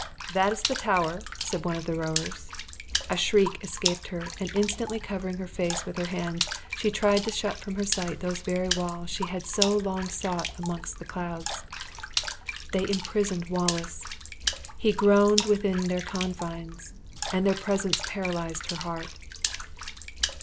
"That is the Tower," said one of the rowers. A shriek escaped her, and instantly covering her face with her hands, she tried to shut from her sight those very walls she had so long sought amongst the clouds. They imprisoned Wallace! He groaned within their confines! and their presence paralyzed her heart.